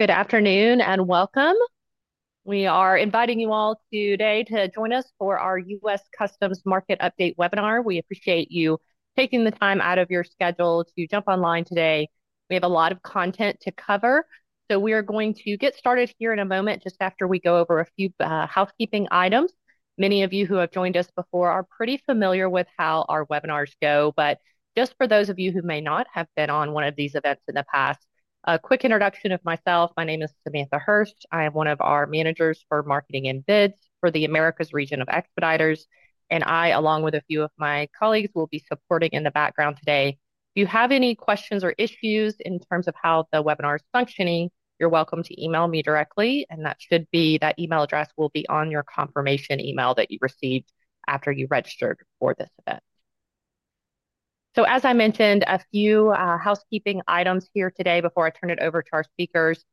Good afternoon and welcome. We are inviting you all today to join us for our U.S. Customs Market Update webinar. We appreciate you taking the time out of your schedule to jump online today. We have a lot of content to cover, so we are going to get started here in a moment just after we go over a few housekeeping items. Many of you who have joined us before are pretty familiar with how our webinars go, but just for those of you who may not have been on one of these events in the past, a quick introduction of myself: my name is Samantha Hurst. I am one of our managers for marketing and bids for the Americas Region of Expeditors, and I, along with a few of my colleagues, will be supporting in the background today. If you have any questions or issues in terms of how the webinar is functioning, you're welcome to email me directly, and that email address will be on your confirmation email that you received after you registered for this event. As I mentioned, a few housekeeping items here today before I turn it over to our speakers.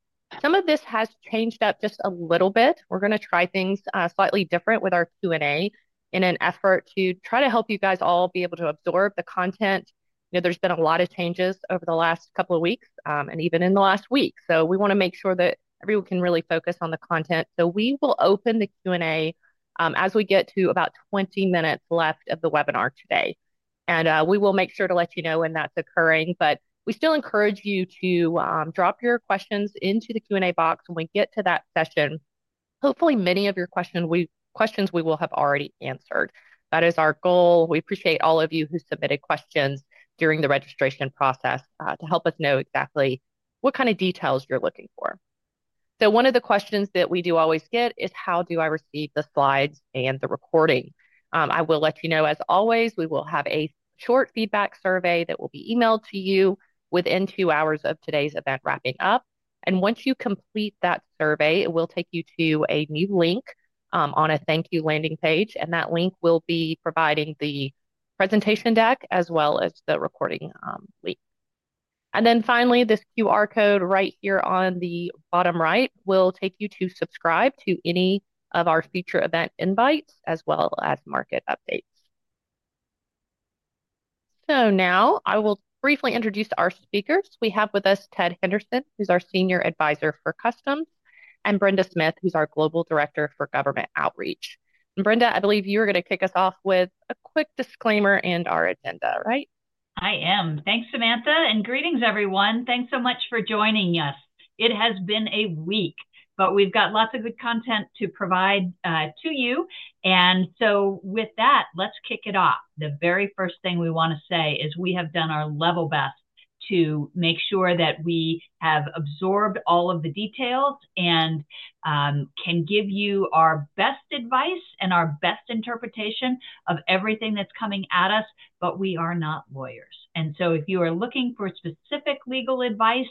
Some of this has changed up just a little bit. We're going to try things slightly different with our Q&A in an effort to try to help you guys all be able to absorb the content. You know, there's been a lot of changes over the last couple of weeks and even in the last week, so we want to make sure that everyone can really focus on the content. We will open the Q&A as we get to about 20 minutes left of the webinar today, and we will make sure to let you know when that's occurring. We still encourage you to drop your questions into the Q&A box when we get to that session. Hopefully, many of your questions we will have already answered. That is our goal. We appreciate all of you who submitted questions during the registration process to help us know exactly what kind of details you're looking for. One of the questions that we do always get is, "How do I receive the slides and the recording?" I will let you know, as always, we will have a short feedback survey that will be emailed to you within two hours of today's event wrapping up. Once you complete that survey, it will take you to a new link on a thank you landing page, and that link will be providing the presentation deck as well as the recording link. Finally, this QR code right here on the bottom right will take you to subscribe to any of our future event invites as well as market updates. I will briefly introduce our speakers. We have with us Ted Henderson, who's our Senior Advisor for Customs, and Brenda Smith, who's our Global Director for Government Outreach. Brenda, I believe you are going to kick us off with a quick disclaimer and our agenda, right? I am. Thanks, Samantha, and greetings, everyone. Thanks so much for joining us. It has been a week, but we've got lots of good content to provide to you. With that, let's kick it off. The very first thing we want to say is we have done our level best to make sure that we have absorbed all of the details and can give you our best advice and our best interpretation of everything that's coming at us, but we are not lawyers. If you are looking for specific legal advice,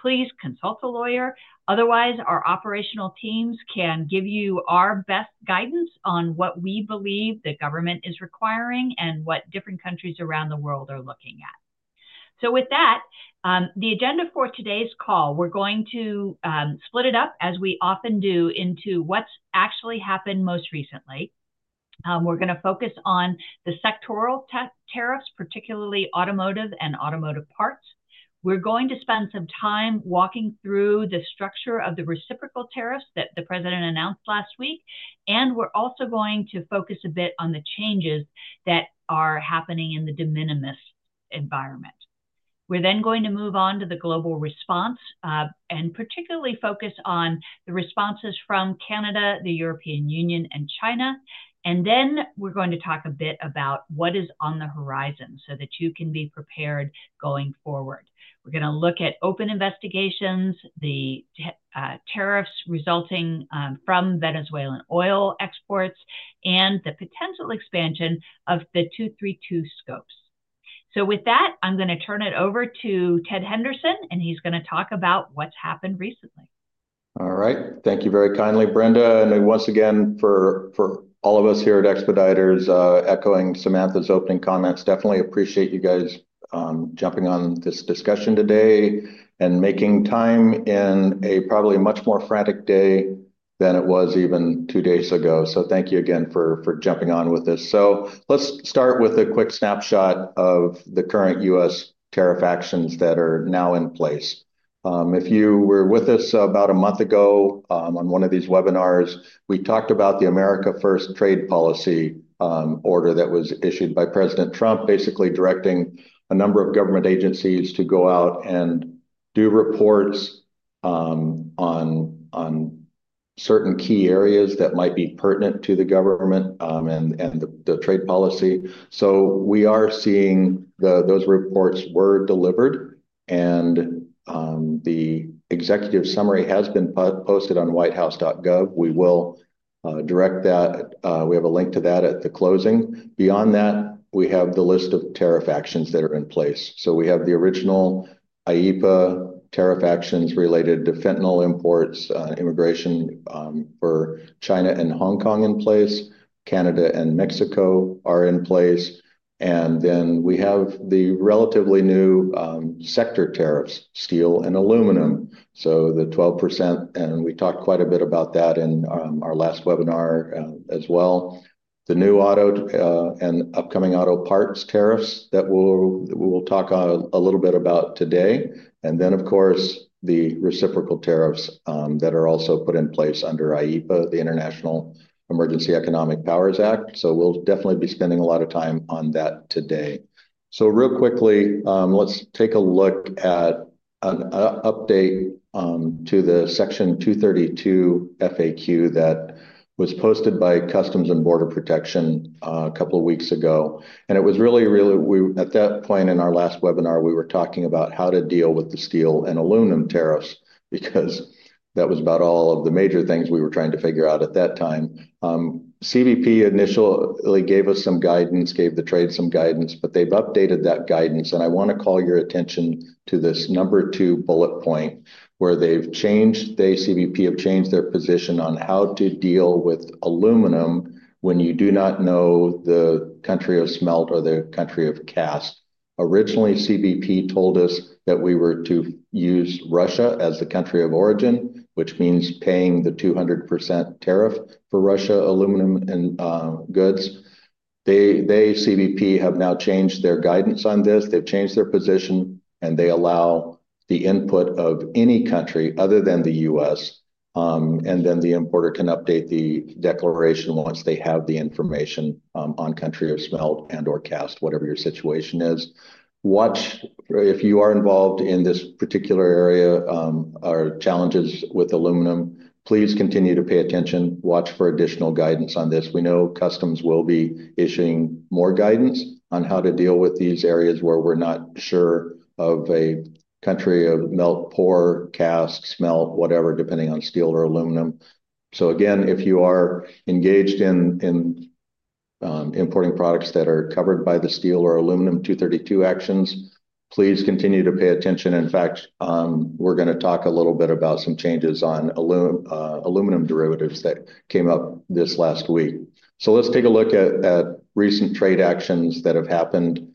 please consult a lawyer. Otherwise, our operational teams can give you our best guidance on what we believe the government is requiring and what different countries around the world are looking at. With that, the agenda for today's call, we're going to split it up, as we often do, into what's actually happened most recently. We're going to focus on the sectoral tariffs, particularly automotive and automotive parts. We're going to spend some time walking through the structure of the reciprocal tariffs that the President announced last week, and we're also going to focus a bit on the changes that are happening in the de minimis environment. We're then going to move on to the global response and particularly focus on the responses from Canada, the European Union, and China. Then we're going to talk a bit about what is on the horizon so that you can be prepared going forward. We're going to look at open investigations, the tariffs resulting from Venezuelan oil exports, and the potential expansion of the 232 scopes. With that, I'm going to turn it over to Ted Henderson, and he's going to talk about what's happened recently. All right. Thank you very kindly, Brenda, and once again, for all of us here at Expeditors echoing Samantha's opening comments, definitely appreciate you guys jumping on this discussion today and making time in a probably much more frantic day than it was even two days ago. Thank you again for jumping on with this. Let's start with a quick snapshot of the current U.S. tariff actions that are now in place. If you were with us about a month ago on one of these webinars, we talked about the America First Trade Policy order that was issued by President Trump, basically directing a number of government agencies to go out and do reports on certain key areas that might be pertinent to the government and the trade policy. We are seeing those reports were delivered, and the executive summary has been posted on whitehouse.gov. We will direct that. We have a link to that at the closing. Beyond that, we have the list of tariff actions that are in place. We have the original IEEPA tariff actions related to fentanyl imports, immigration for China and Hong Kong in place, Canada and Mexico are in place. We have the relatively new sector tariffs, steel and aluminum, so the 12%, and we talked quite a bit about that in our last webinar as well. The new auto and upcoming auto parts tariffs that we'll talk a little bit about today. Of course, the reciprocal tariffs that are also put in place under IEEPA, the International Emergency Economic Powers Act. We will definitely be spending a lot of time on that today. Real quickly, let's take a look at an update to the Section 232 FAQ that was posted by Customs and Border Protection a couple of weeks ago. It was really, really at that point in our last webinar, we were talking about how to deal with the steel and aluminum tariffs because that was about all of the major things we were trying to figure out at that time. CBP initially gave us some guidance, gave the trade some guidance, but they've updated that guidance. I want to call your attention to this number two bullet point where they've changed. CBP have changed their position on how to deal with aluminum when you do not know the country of smelt or the country of cast. Originally, CBP told us that we were to use Russia as the country of origin, which means paying the 200% tariff for Russia aluminum and goods. They, CBP, have now changed their guidance on this. They've changed their position, and they allow the input of any country other than the U.S. The importer can update the declaration once they have the information on country of smelt and/or cast, whatever your situation is. If you are involved in this particular area or challenges with aluminum, please continue to pay attention. Watch for additional guidance on this. We know Customs will be issuing more guidance on how to deal with these areas where we're not sure of a country of melt, pour, cast, smelt, whatever, depending on steel or aluminum. If you are engaged in importing products that are covered by the steel or aluminum 232 actions, please continue to pay attention. In fact, we're going to talk a little bit about some changes on aluminum derivatives that came up this last week. Let's take a look at recent trade actions that have happened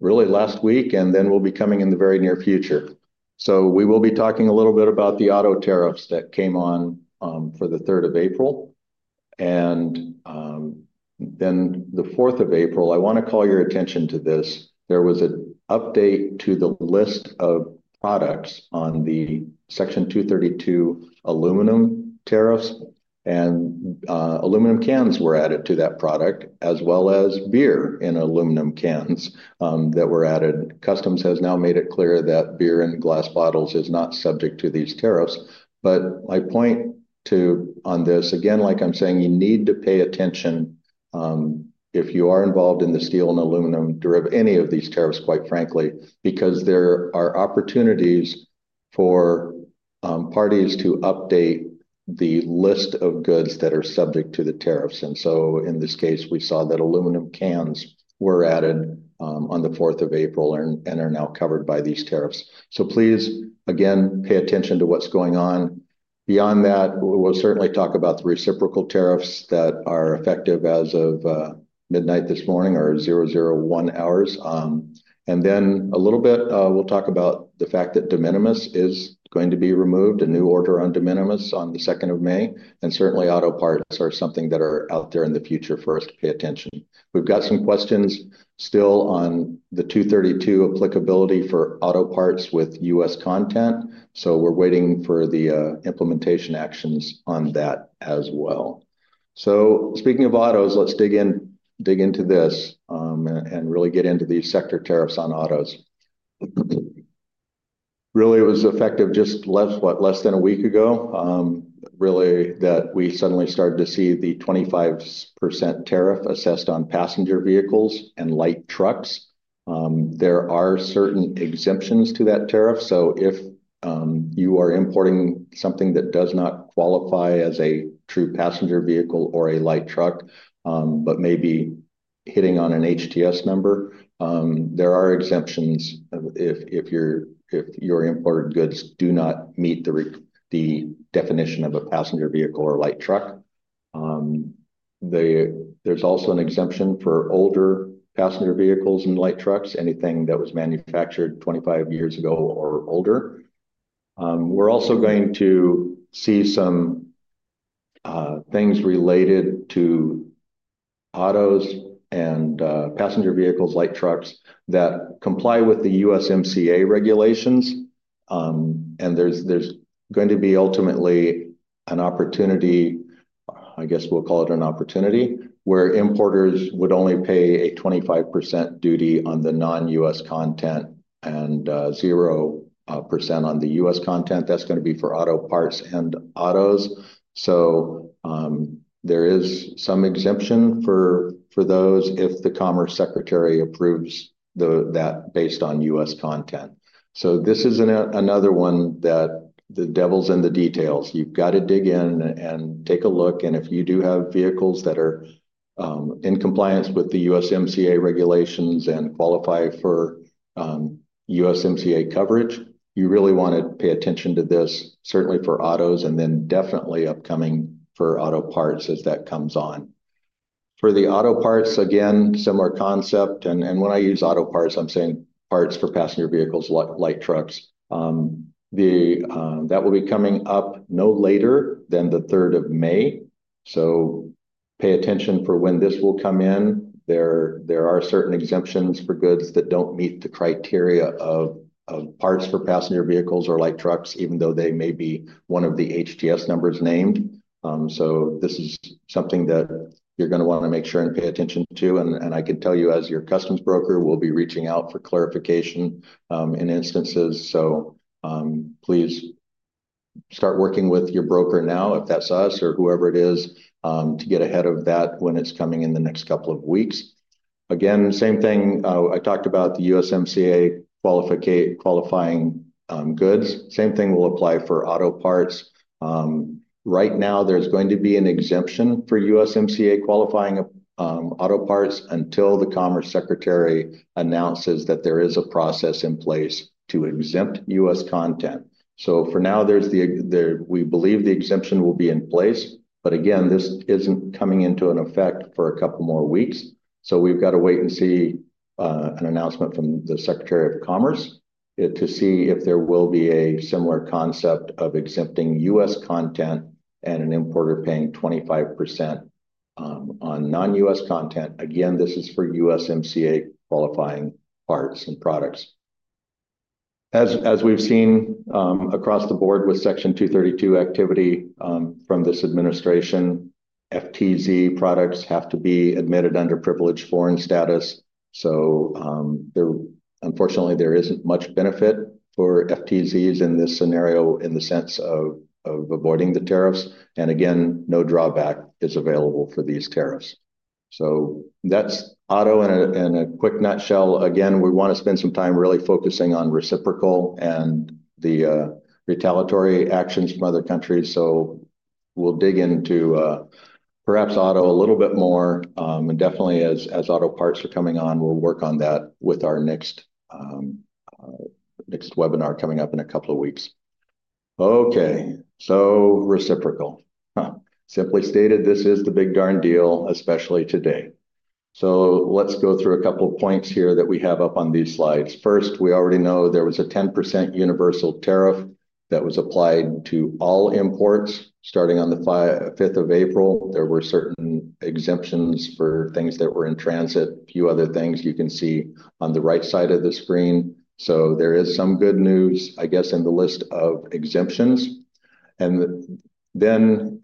really last week, and then will be coming in the very near future. We will be talking a little bit about the auto tariffs that came on for the 3rd of April. On the 4th of April, I want to call your attention to this. There was an update to the list of products on the Section 232 aluminum tariffs, and aluminum cans were added to that product, as well as beer in aluminum cans that were added. Customs has now made it clear that beer and glass bottles is not subject to these tariffs. My point on this, again, like I'm saying, you need to pay attention if you are involved in the steel and aluminum derivative, any of these tariffs, quite frankly, because there are opportunities for parties to update the list of goods that are subject to the tariffs. In this case, we saw that aluminum cans were added on the 4th of April and are now covered by these tariffs. Please, again, pay attention to what's going on. Beyond that, we'll certainly talk about the reciprocal tariffs that are effective as of midnight this morning or 0:01 hours. In a little bit, we'll talk about the fact that de minimis is going to be removed, a new order on de minimis on the 2nd of May. Certainly, auto parts are something that are out there in the future for us to pay attention. We've got some questions still on the 232 applicability for auto parts with U.S. content. We're waiting for the implementation actions on that as well. Speaking of autos, let's dig into this and really get into these sector tariffs on autos. Really, it was effective just less than a week ago, really, that we suddenly started to see the 25% tariff assessed on passenger vehicles and light trucks. There are certain exemptions to that tariff. If you are importing something that does not qualify as a true passenger vehicle or a light truck, but maybe hitting on an HTS number, there are exemptions if your imported goods do not meet the definition of a passenger vehicle or light truck. There's also an exemption for older passenger vehicles and light trucks, anything that was manufactured 25 years ago or older. We're also going to see some things related to autos and passenger vehicles, light trucks that comply with the USMCA regulations. There is going to be ultimately an opportunity, I guess we'll call it an opportunity, where importers would only pay a 25% duty on the non-U.S. content and 0% on the U.S. content. That's going to be for auto parts and autos. There is some exemption for those if the Commerce Secretary approves that based on U.S. content. This is another one that the devil's in the details. You've got to dig in and take a look. If you do have vehicles that are in compliance with the USMCA regulations and qualify for USMCA coverage, you really want to pay attention to this, certainly for autos, and then definitely upcoming for auto parts as that comes on. For the auto parts, again, similar concept. When I use auto parts, I'm saying parts for passenger vehicles, light trucks. That will be coming up no later than the 3rd of May. Pay attention for when this will come in. There are certain exemptions for goods that do not meet the criteria of parts for passenger vehicles or light trucks, even though they may be one of the HTS numbers named. This is something that you're going to want to make sure and pay attention to. I can tell you, as your Customs broker, we'll be reaching out for clarification in instances. Please start working with your broker now, if that's us or whoever it is, to get ahead of that when it's coming in the next couple of weeks. Again, same thing. I talked about the USMCA qualifying goods. Same thing will apply for auto parts. Right now, there's going to be an exemption for USMCA qualifying auto parts until the Commerce Secretary announces that there is a process in place to exempt U.S. content. For now, we believe the exemption will be in place. Again, this isn't coming into effect for a couple more weeks. We have to wait and see an announcement from the Secretary of Commerce to see if there will be a similar concept of exempting U.S. content and an importer paying 25% on non-U.S. content. Again, this is for USMCA qualifying parts and products. As we've seen across the board with Section 232 activity from this administration, FTZ products have to be admitted under privileged foreign status. Unfortunately, there isn't much benefit for FTZs in this scenario in the sense of avoiding the tariffs. Again, no drawback is available for these tariffs. That's auto in a quick nutshell. Again, we want to spend some time really focusing on reciprocal and the retaliatory actions from other countries. We'll dig into perhaps auto a little bit more. Definitely, as auto parts are coming on, we'll work on that with our next webinar coming up in a couple of weeks. Okay. Reciprocal. Simply stated, this is the big darn deal, especially today. Let's go through a couple of points here that we have up on these slides. First, we already know there was a 10% universal tariff that was applied to all imports starting on the 5th of April. There were certain exemptions for things that were in transit, a few other things you can see on the right side of the screen. There is some good news, I guess, in the list of exemptions.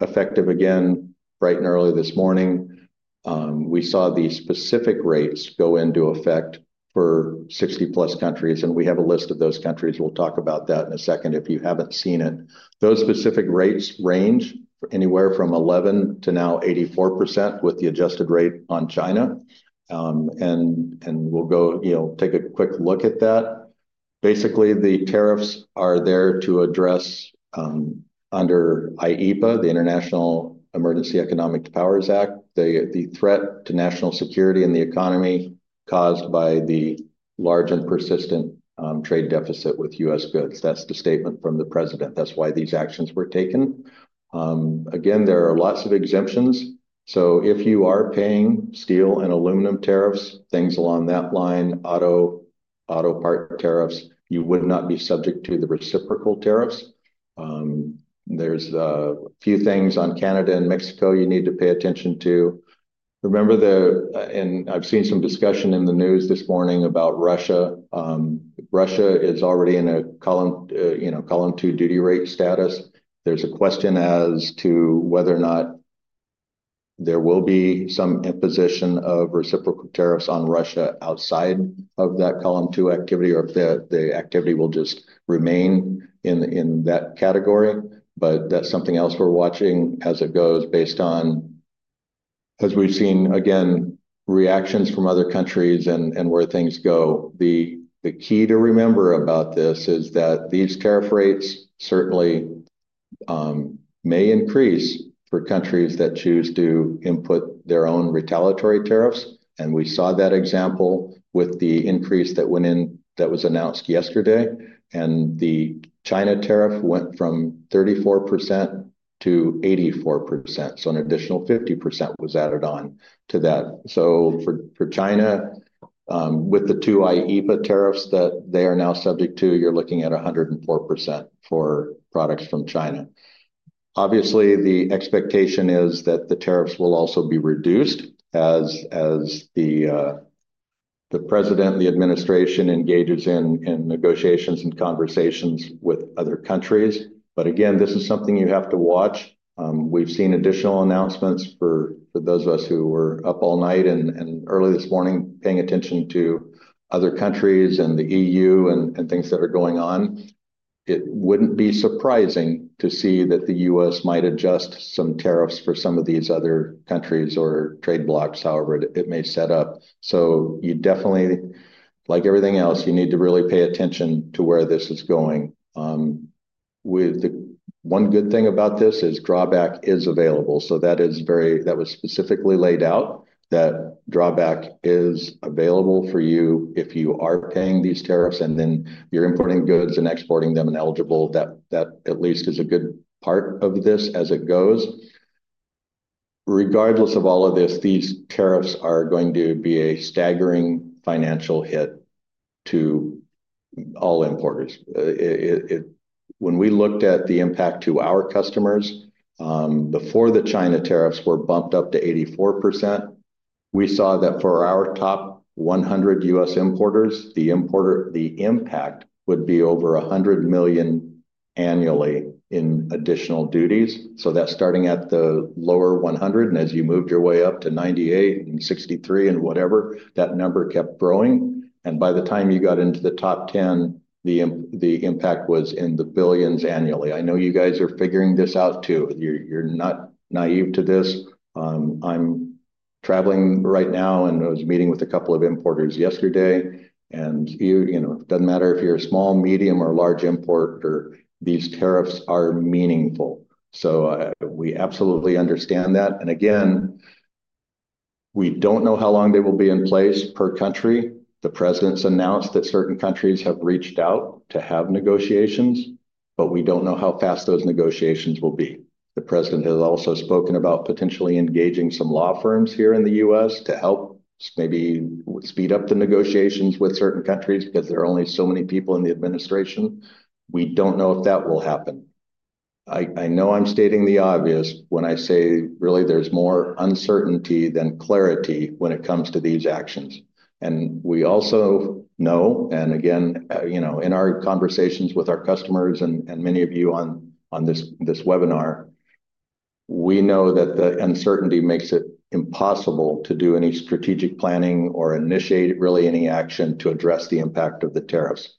Effective again, bright and early this morning, we saw the specific rates go into effect for 60-plus countries. We have a list of those countries. We'll talk about that in a second if you haven't seen it. Those specific rates range anywhere from 11% to now 84% with the adjusted rate on China. We'll take a quick look at that. Basically, the tariffs are there to address under IEEPA, the International Emergency Economic Powers Act, the threat to national security and the economy caused by the large and persistent trade deficit with U.S. goods. That's the statement from the president. That's why these actions were taken. Again, there are lots of exemptions. If you are paying steel and aluminum tariffs, things along that line, auto part tariffs, you would not be subject to the reciprocal tariffs. There are a few things on Canada and Mexico you need to pay attention to. I have seen some discussion in the news this morning about Russia. Russia is already in a column two duty rate status. There is a question as to whether or not there will be some imposition of reciprocal tariffs on Russia outside of that column two activity or if the activity will just remain in that category. That is something else we're watching as it goes based on, as we've seen, again, reactions from other countries and where things go. The key to remember about this is that these tariff rates certainly may increase for countries that choose to input their own retaliatory tariffs. We saw that example with the increase that went in that was announced yesterday. The China tariff went from 34% to 84%, so an additional 50% was added on to that. For China, with the two IEEPA tariffs that they are now subject to, you're looking at 104% for products from China. Obviously, the expectation is that the tariffs will also be reduced as the president, the administration engages in negotiations and conversations with other countries. Again, this is something you have to watch. We've seen additional announcements for those of us who were up all night and early this morning paying attention to other countries and the EU and things that are going on. It would not be surprising to see that the U.S. might adjust some tariffs for some of these other countries or trade blocs, however it may set up. You definitely, like everything else, you need to really pay attention to where this is going. One good thing about this is drawback is available. That was specifically laid out that drawback is available for you if you are paying these tariffs and then you're importing goods and exporting them and eligible. That at least is a good part of this as it goes. Regardless of all of this, these tariffs are going to be a staggering financial hit to all importers. When we looked at the impact to our customers, before the China tariffs were bumped up to 84%, we saw that for our top 100 U.S. importers, the impact would be over $100 million annually in additional duties. That is starting at the lower 100. As you moved your way up to 98 and 63 and whatever, that number kept growing. By the time you got into the top 10, the impact was in the billions annually. I know you guys are figuring this out too. You are not naive to this. I am traveling right now, and I was meeting with a couple of importers yesterday. It does not matter if you are a small, medium, or large importer, these tariffs are meaningful. We absolutely understand that. We do not know how long they will be in place per country. The president's announced that certain countries have reached out to have negotiations, but we don't know how fast those negotiations will be. The president has also spoken about potentially engaging some law firms here in the U.S. to help maybe speed up the negotiations with certain countries because there are only so many people in the administration. We don't know if that will happen. I know I'm stating the obvious when I say, really, there's more uncertainty than clarity when it comes to these actions. We also know, and again, in our conversations with our customers and many of you on this webinar, we know that the uncertainty makes it impossible to do any strategic planning or initiate really any action to address the impact of the tariffs.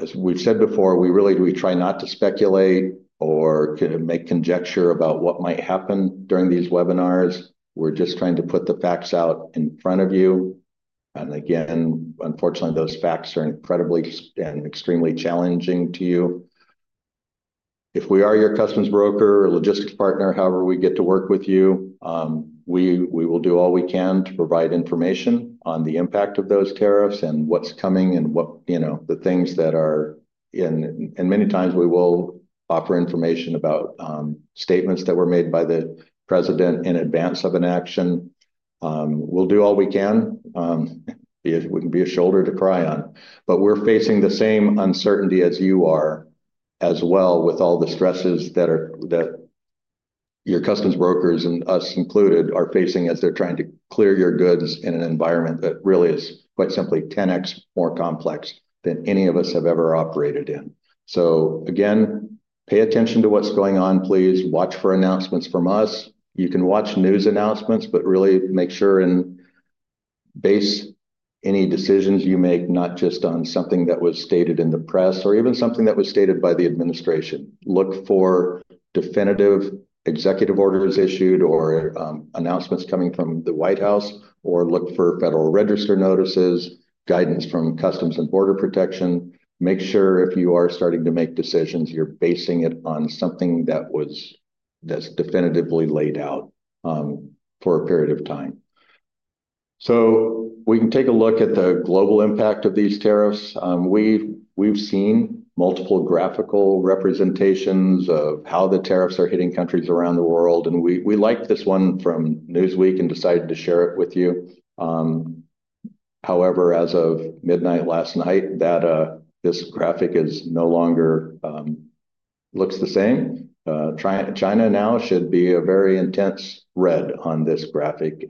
As we've said before, we really do try not to speculate or make conjecture about what might happen during these webinars. We're just trying to put the facts out in front of you. Again, unfortunately, those facts are incredibly and extremely challenging to you. If we are your Customs broker or logistics partner, however we get to work with you, we will do all we can to provide information on the impact of those tariffs and what's coming and the things that are in. Many times, we will offer information about statements that were made by the president in advance of an action. We'll do all we can. We can be a shoulder to cry on. We're facing the same uncertainty as you are as well with all the stresses that your Customs brokers, and us included, are facing as they're trying to clear your goods in an environment that really is quite simply 10x more complex than any of us have ever operated in. Again, pay attention to what's going on, please. Watch for announcements from us. You can watch news announcements, but really make sure and base any decisions you make not just on something that was stated in the press or even something that was stated by the administration. Look for definitive executive orders issued or announcements coming from the White House, or look for Federal Register notices, guidance from Customs and Border Protection. Make sure if you are starting to make decisions, you're basing it on something that's definitively laid out for a period of time. We can take a look at the global impact of these tariffs. We've seen multiple graphical representations of how the tariffs are hitting countries around the world. We liked this one from Newsweek and decided to share it with you. However, as of midnight last night, this graphic no longer looks the same. China now should be a very intense red on this graphic.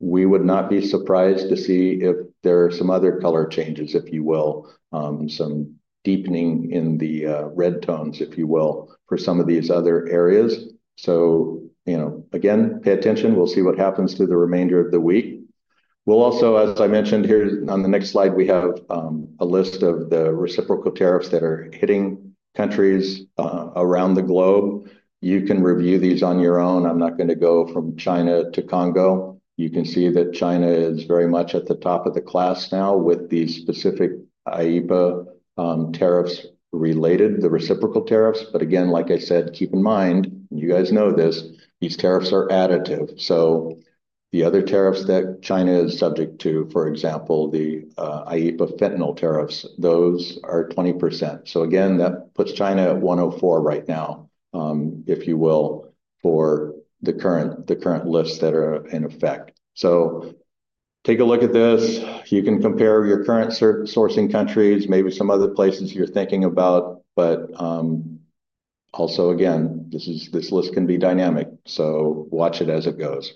We would not be surprised to see if there are some other color changes, if you will, some deepening in the red tones, if you will, for some of these other areas. Again, pay attention. We'll see what happens through the remainder of the week. Also, as I mentioned here on the next slide, we have a list of the reciprocal tariffs that are hitting countries around the globe. You can review these on your own. I'm not going to go from China to Congo. You can see that China is very much at the top of the class now with these specific IEEPA tariffs related, the reciprocal tariffs. Again, like I said, keep in mind, and you guys know this, these tariffs are additive. The other tariffs that China is subject to, for example, the IEEPA fentanyl tariffs, those are 20%. That puts China at 104% right now, if you will, for the current lists that are in effect. Take a look at this. You can compare your current sourcing countries, maybe some other places you're thinking about. Also, this list can be dynamic. Watch it as it goes.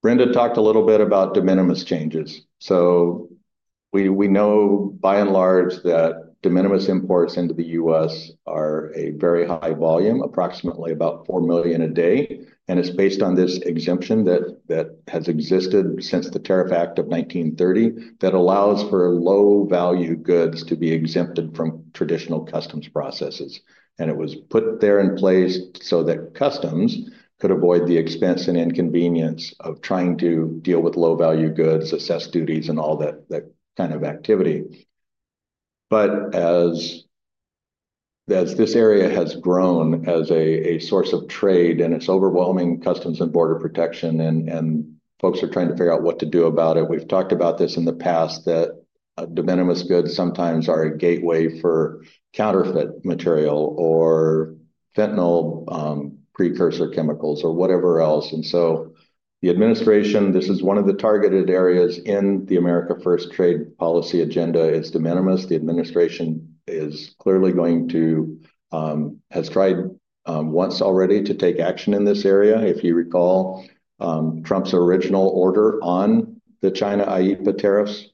Brenda talked a little bit about de minimis changes. We know by and large that de minimis imports into the U.S. are a very high volume, approximately about 4 million a day. It is based on this exemption that has existed since the Tariff Act of 1930 that allows for low-value goods to be exempted from traditional customs processes. It was put there in place so that customs could avoid the expense and inconvenience of trying to deal with low-value goods, assess duties, and all that kind of activity. As this area has grown as a source of trade and it's overwhelming Customs and Border Protection and folks are trying to figure out what to do about it, we've talked about this in the past that de minimis goods sometimes are a gateway for counterfeit material or fentanyl precursor chemicals or whatever else. The administration, this is one of the targeted areas in the America First Trade Policy agenda, is de minimis. The administration is clearly going to, has tried once already to take action in this area. If you recall, Trump's original order on the China IEEPA tariffs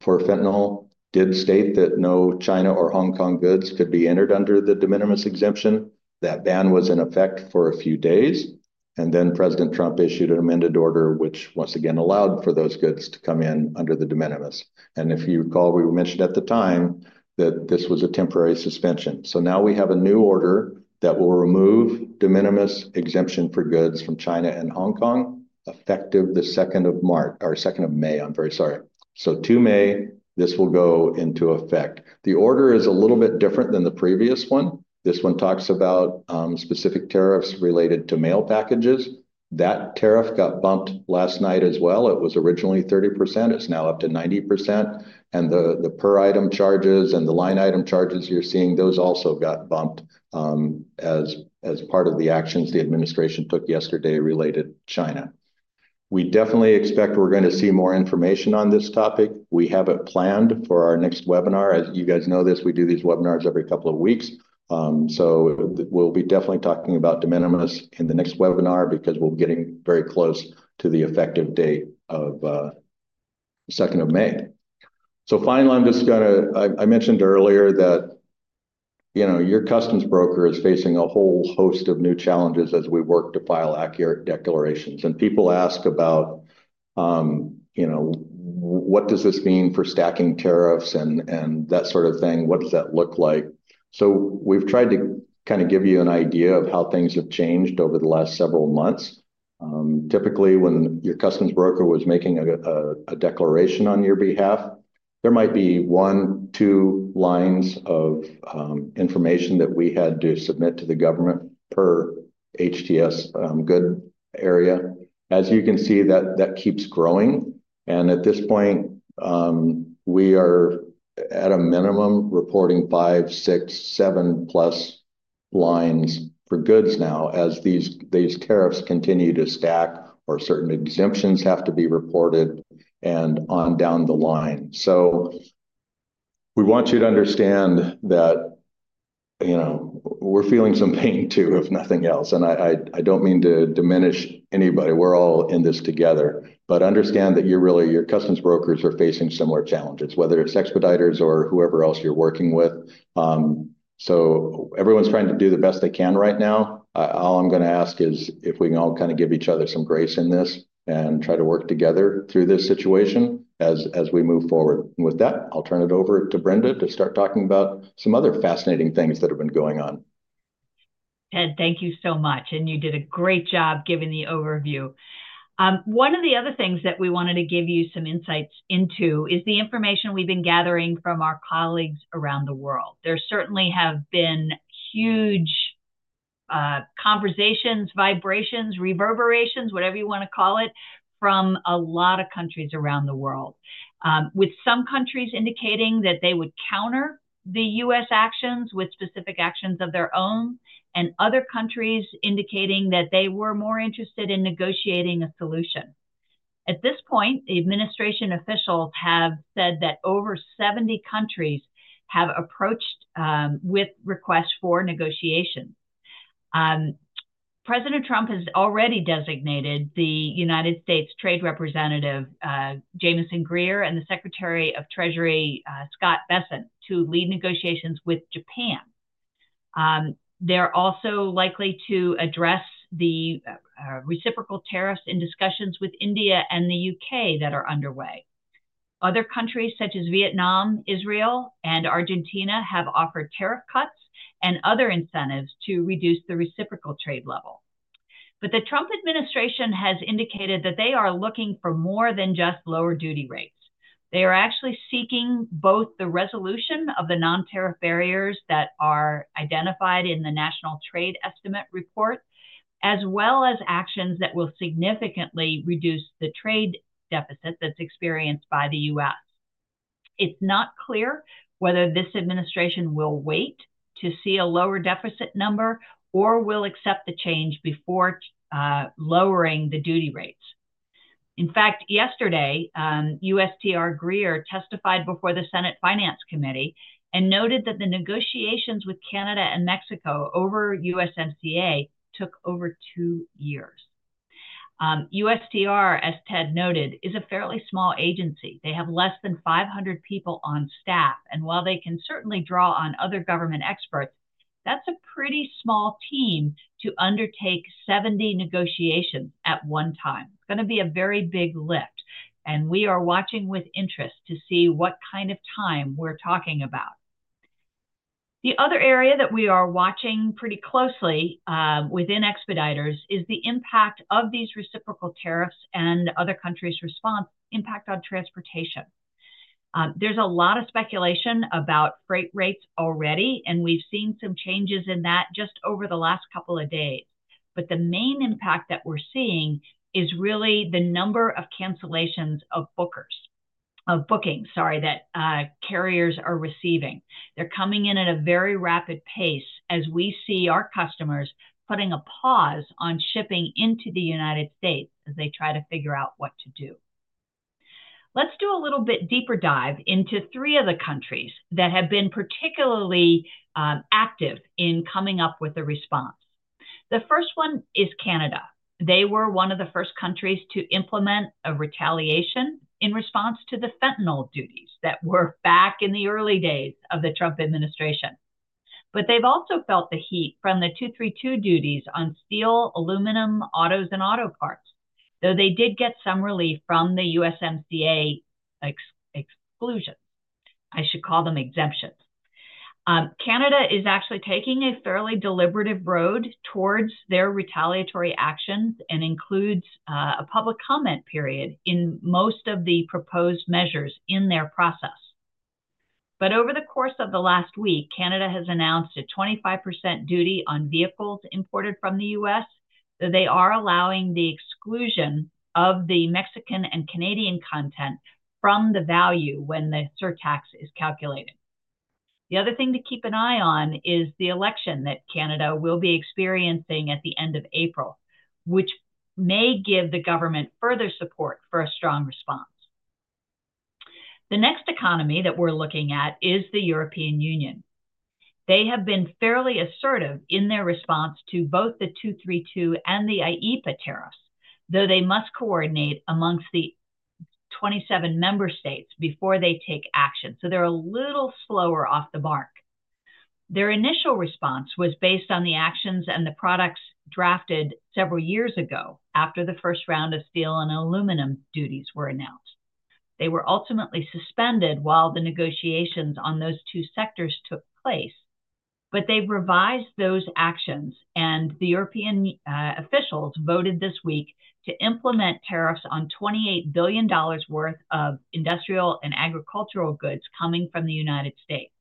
for fentanyl did state that no China or Hong Kong goods could be entered under the de minimis exemption. That ban was in effect for a few days. President Trump issued an amended order, which once again allowed for those goods to come in under the de minimis. If you recall, we mentioned at the time that this was a temporary suspension. We have a new order that will remove de minimis exemption for goods from China and Hong Kong effective the 2nd of March, or 2nd of May, I'm very sorry. 2 May, this will go into effect. The order is a little bit different than the previous one. This one talks about specific tariffs related to mail packages. That tariff got bumped last night as well. It was originally 30%. It's now up to 90%. And the per item charges and the line item charges you're seeing, those also got bumped as part of the actions the administration took yesterday related to China. We definitely expect we're going to see more information on this topic. We have it planned for our next webinar. As you guys know this, we do these webinars every couple of weeks. We'll be definitely talking about de minimis in the next webinar because we'll be getting very close to the effective date of 2nd of May. Finally, I mentioned earlier that your Customs broker is facing a whole host of new challenges as we work to file accurate declarations. People ask about what does this mean for stacking tariffs and that sort of thing. What does that look like? We have tried to kind of give you an idea of how things have changed over the last several months. Typically, when your Customs broker was making a declaration on your behalf, there might be one or two lines of information that we had to submit to the government per HTS good area. As you can see, that keeps growing. At this point, we are at a minimum reporting five, six, seven plus lines for goods now as these tariffs continue to stack or certain exemptions have to be reported and on down the line. We want you to understand that we are feeling some pain too, if nothing else. I do not mean to diminish anybody. We are all in this together. Understand that your Customs brokers are facing similar challenges, whether it is Expeditors or whoever else you are working with. Everyone's trying to do the best they can right now. All I'm going to ask is if we can all kind of give each other some grace in this and try to work together through this situation as we move forward. With that, I'll turn it over to Brenda to start talking about some other fascinating things that have been going on. Ed, thank you so much. You did a great job giving the overview. One of the other things that we wanted to give you some insights into is the information we've been gathering from our colleagues around the world. There certainly have been huge conversations, vibrations, reverberations, whatever you want to call it, from a lot of countries around the world, with some countries indicating that they would counter the U.S. actions with specific actions of their own and other countries indicating that they were more interested in negotiating a solution. At this point, the administration officials have said that over 70 countries have approached with requests for negotiation. President Trump has already designated the United States Trade Representative Jamieson Greer and the Secretary of Treasury Scott Bessent to lead negotiations with Japan. They're also likely to address the reciprocal tariffs in discussions with India and the U.K. that are underway. Other countries such as Vietnam, Israel, and Argentina have offered tariff cuts and other incentives to reduce the reciprocal trade level. The Trump administration has indicated that they are looking for more than just lower duty rates. They are actually seeking both the resolution of the non-tariff barriers that are identified in the National Trade Estimate Report, as well as actions that will significantly reduce the trade deficit that's experienced by the U.S. It's not clear whether this administration will wait to see a lower deficit number or will accept the change before lowering the duty rates. In fact, yesterday, U.S.T.R. Greer testified before the Senate Finance Committee and noted that the negotiations with Canada and Mexico over USMCA took over two years. USTR, as Ted noted, is a fairly small agency. They have fewer than 500 people on staff. While they can certainly draw on other government experts, that's a pretty small team to undertake 70 negotiations at one time. It is going to be a very big lift. We are watching with interest to see what kind of time we're talking about. The other area that we are watching pretty closely within Expeditors is the impact of these reciprocal tariffs and other countries' response impact on transportation. There is a lot of speculation about freight rates already, and we've seen some changes in that just over the last couple of days. The main impact that we're seeing is really the number of cancellations of bookings, sorry, that carriers are receiving. They're coming in at a very rapid pace as we see our customers putting a pause on shipping into the United States as they try to figure out what to do. Let's do a little bit deeper dive into three of the countries that have been particularly active in coming up with a response. The first one is Canada. They were one of the first countries to implement a retaliation in response to the fentanyl duties that were back in the early days of the Trump administration. They have also felt the heat from the 232 duties on steel, aluminum, autos, and auto parts, though they did get some relief from the USMCA exclusions. I should call them exemptions. Canada is actually taking a fairly deliberative road towards their retaliatory actions and includes a public comment period in most of the proposed measures in their process. Over the course of the last week, Canada has announced a 25% duty on vehicles imported from the U.S., though they are allowing the exclusion of the Mexican and Canadian content from the value when the surtax is calculated. The other thing to keep an eye on is the election that Canada will be experiencing at the end of April, which may give the government further support for a strong response. The next economy that we're looking at is the European Union. They have been fairly assertive in their response to both the 232 and the IEEPA tariffs, though they must coordinate amongst the 27 member states before they take action. They are a little slower off the mark. Their initial response was based on the actions and the products drafted several years ago after the first round of steel and aluminum duties were announced. They were ultimately suspended while the negotiations on those two sectors took place. They have revised those actions, and the European officials voted this week to implement tariffs on $28 billion worth of industrial and agricultural goods coming from the United States.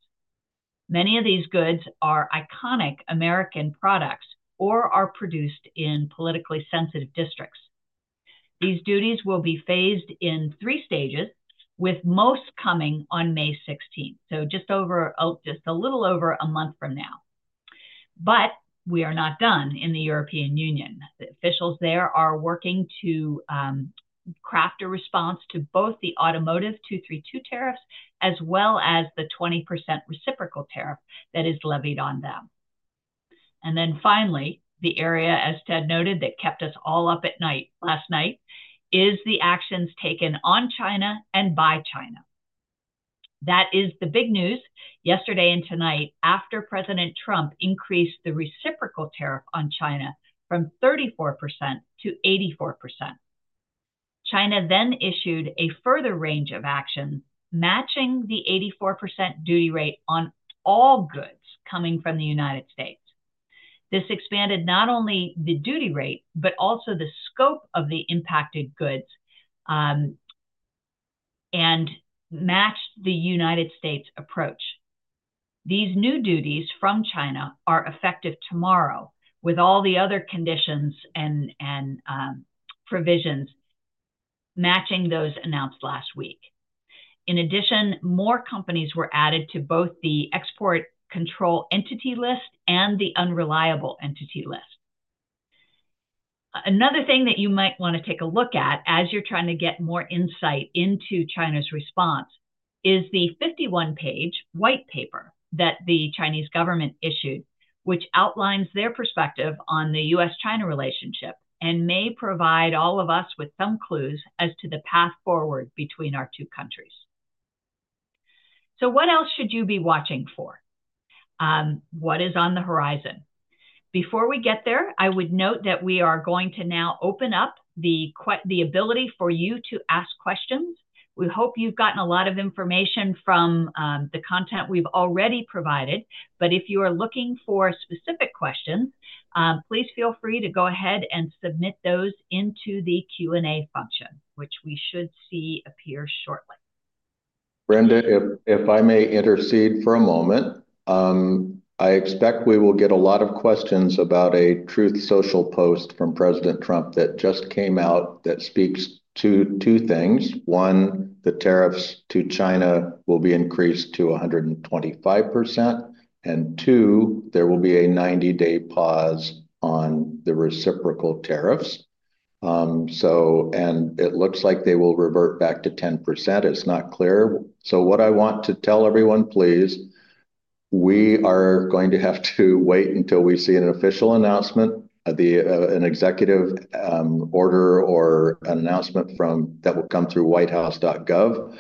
Many of these goods are iconic American products or are produced in politically sensitive districts. These duties will be phased in three stages, with most coming on May 16th, just a little over a month from now. We are not done in the European Union. The officials there are working to craft a response to both the automotive 232 tariffs as well as the 20% reciprocal tariff that is levied on them. Finally, the area, as Ted noted, that kept us all up at night last night is the actions taken on China and by China. That is the big news yesterday and tonight after President Trump increased the reciprocal tariff on China from 34% to 84%. China then issued a further range of actions matching the 84% duty rate on all goods coming from the United States. This expanded not only the duty rate, but also the scope of the impacted goods and matched the United States' approach. These new duties from China are effective tomorrow with all the other conditions and provisions matching those announced last week. In addition, more companies were added to both the Export Control Entity List and the Unreliable Entity List. Another thing that you might want to take a look at as you're trying to get more insight into China's response is the 51-page white paper that the Chinese government issued, which outlines their perspective on the U.S.-China relationship and may provide all of us with some clues as to the path forward between our two countries. What else should you be watching for? What is on the horizon? Before we get there, I would note that we are going to now open up the ability for you to ask questions. We hope you've gotten a lot of information from the content we've already provided. If you are looking for specific questions, please feel free to go ahead and submit those into the Q&A function, which we should see appear shortly. Brenda, if I may intercede for a moment, I expect we will get a lot of questions about a Truth Social post from President Trump that just came out that speaks to two things. One, the tariffs to China will be increased to 125%. Two, there will be a 90-day pause on the reciprocal tariffs. It looks like they will revert back to 10%. It's not clear. What I want to tell everyone, please, we are going to have to wait until we see an official announcement, an executive order, or an announcement that will come through whitehouse.gov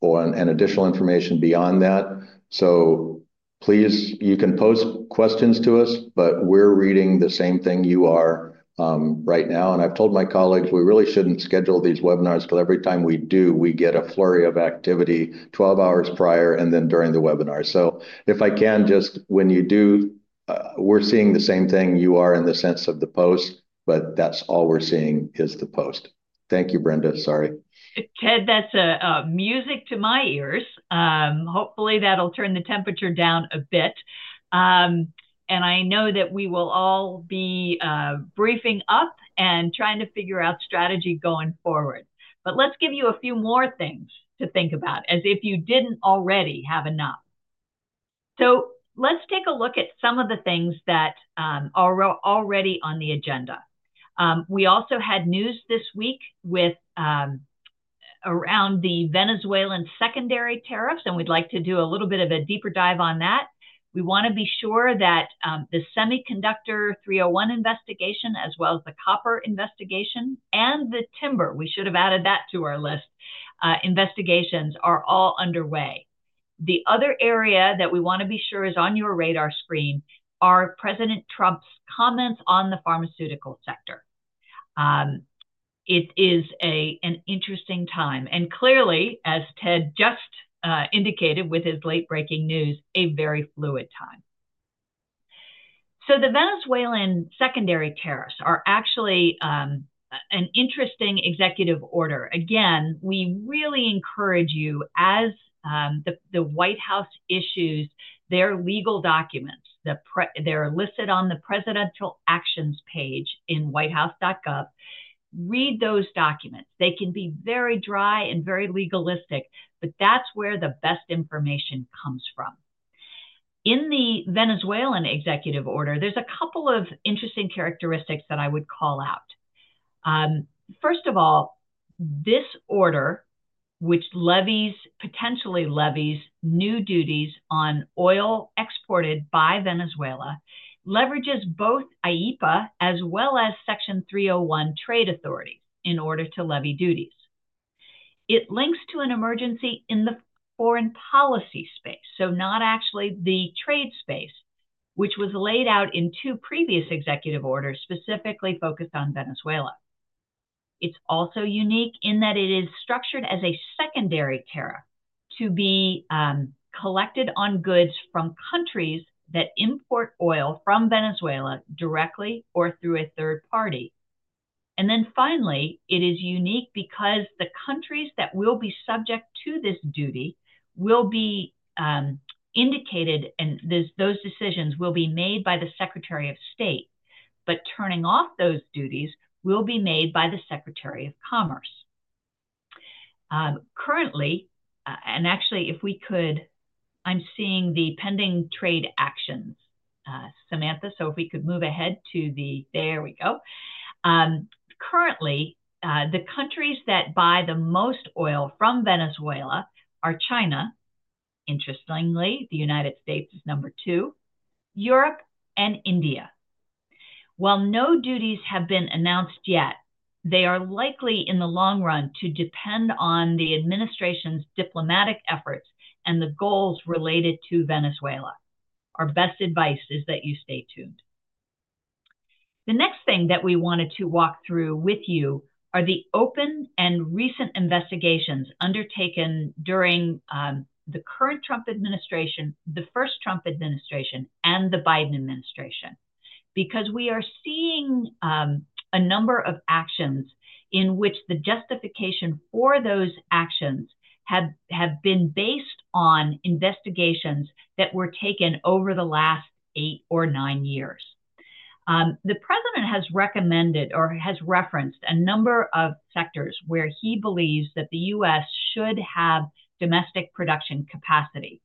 or additional information beyond that. Please, you can post questions to us, but we're reading the same thing you are right now. I've told my colleagues we really shouldn't schedule these webinars because every time we do, we get a flurry of activity 12 hours prior and then during the webinar. If I can, just when you do, we're seeing the same thing you are in the sense of the post, but that's all we're seeing is the post. Thank you, Brenda. Sorry. Ted, that's music to my ears. Hopefully, that'll turn the temperature down a bit. I know that we will all be briefing up and trying to figure out strategy going forward. Let's give you a few more things to think about as if you didn't already have enough. Let's take a look at some of the things that are already on the agenda. We also had news this week around the Venezuelan secondary tariffs, and we'd like to do a little bit of a deeper dive on that. We want to be sure that the semiconductor 301 investigation, as well as the copper investigation and the timber, we should have added that to our list, investigations are all underway. The other area that we want to be sure is on your radar screen are President Trump's comments on the pharmaceutical sector. It is an interesting time. Clearly, as Ted just indicated with his late-breaking news, a very fluid time. The Venezuelan secondary tariffs are actually an interesting executive order. Again, we really encourage you, as the White House issues their legal documents, they're listed on the presidential actions page in whitehouse.gov. Read those documents. They can be very dry and very legalistic, but that's where the best information comes from. In the Venezuelan executive order, there's a couple of interesting characteristics that I would call out. First of all, this order, which potentially levies new duties on oil exported by Venezuela, leverages both IEEPA as well as Section 301 trade authorities in order to levy duties. It links to an emergency in the foreign policy space, not actually the trade space, which was laid out in two previous executive orders specifically focused on Venezuela. It's also unique in that it is structured as a secondary tariff to be collected on goods from countries that import oil from Venezuela directly or through a third party. Finally, it is unique because the countries that will be subject to this duty will be indicated, and those decisions will be made by the Secretary of State. Turning off those duties will be made by the Secretary of Commerce. Currently, actually, if we could, I'm seeing the pending trade actions, Samantha. If we could move ahead to the, there we go. Currently, the countries that buy the most oil from Venezuela are China, interestingly, the United States is number two, Europe, and India. While no duties have been announced yet, they are likely in the long run to depend on the administration's diplomatic efforts and the goals related to Venezuela. Our best advice is that you stay tuned. The next thing that we wanted to walk through with you are the open and recent investigations undertaken during the current Trump administration, the first Trump administration, and the Biden administration. We are seeing a number of actions in which the justification for those actions have been based on investigations that were taken over the last eight or nine years. The president has recommended or has referenced a number of sectors where he believes that the U.S. should have domestic production capacity,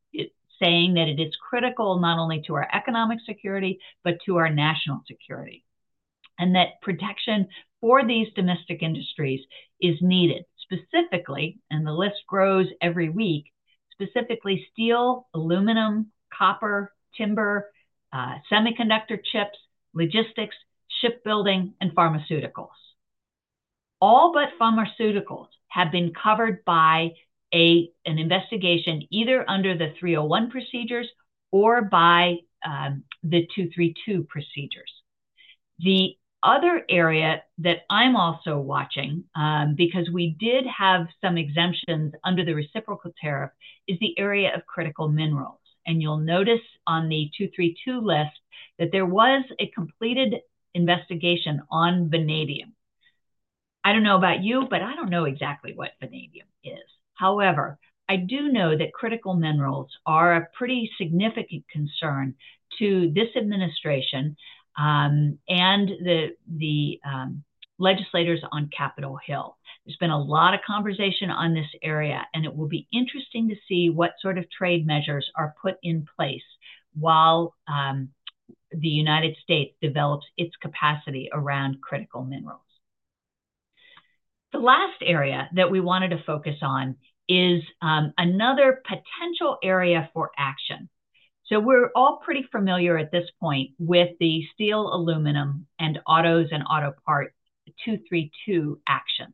saying that it is critical not only to our economic security, but to our national security. That protection for these domestic industries is needed. Specifically, and the list grows every week, specifically steel, aluminum, copper, timber, semiconductor chips, logistics, shipbuilding, and pharmaceuticals. All but pharmaceuticals have been covered by an investigation either under the 301 procedures or by the 232 procedures. The other area that I'm also watching, because we did have some exemptions under the reciprocal tariff, is the area of critical minerals. You'll notice on the 232 list that there was a completed investigation on vanadium. I don't know about you, but I don't know exactly what vanadium is. However, I do know that critical minerals are a pretty significant concern to this administration and the legislators on Capitol Hill. There's been a lot of conversation on this area, and it will be interesting to see what sort of trade measures are put in place while the United States develops its capacity around critical minerals. The last area that we wanted to focus on is another potential area for action. We're all pretty familiar at this point with the steel, aluminum, and autos and auto part 232 actions.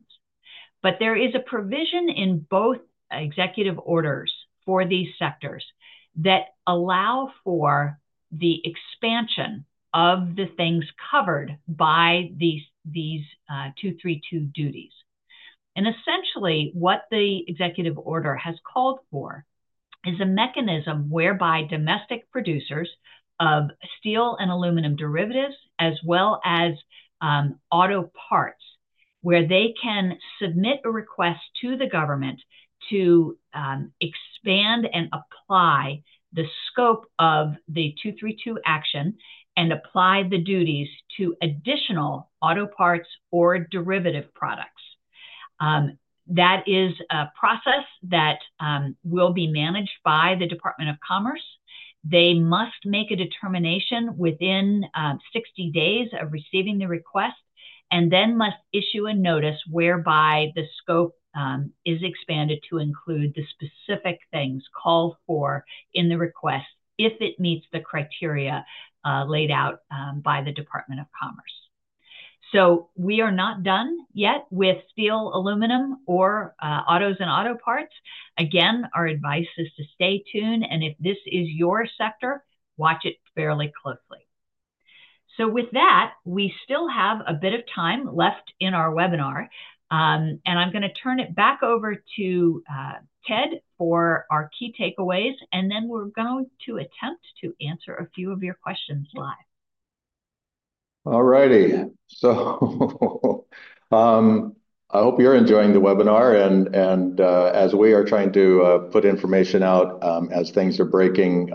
There is a provision in both executive orders for these sectors that allow for the expansion of the things covered by these 232 duties. Essentially, what the executive order has called for is a mechanism whereby domestic producers of steel and aluminum derivatives, as well as auto parts, where they can submit a request to the government to expand and apply the scope of the 232 action and apply the duties to additional auto parts or derivative products. That is a process that will be managed by the Department of Commerce. They must make a determination within 60 days of receiving the request and then must issue a notice whereby the scope is expanded to include the specific things called for in the request if it meets the criteria laid out by the Department of Commerce. We are not done yet with steel, aluminum, or autos and auto parts. Again, our advice is to stay tuned. If this is your sector, watch it fairly closely. With that, we still have a bit of time left in our webinar. I'm going to turn it back over to Ted for our key takeaways. Then we're going to attempt to answer a few of your questions live. All righty. I hope you're enjoying the webinar. As we are trying to put information out as things are breaking,